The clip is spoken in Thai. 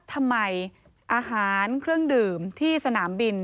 ทำไมอาหารเครื่องดื่มที่สนามบิน